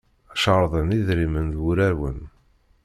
Cerḍen idrimen d wurawen.